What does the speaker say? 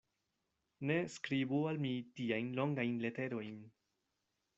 Ne skribu al mi tiajn longajn leterojn.